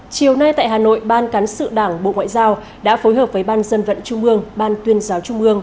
chiều nay tại hà nội ban cán sự đảng bộ ngoại giao đã phối hợp với ban dân vận trung ương ban tuyên giáo trung ương